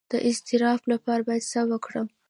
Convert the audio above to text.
د اضطراب لپاره باید څه وکړم؟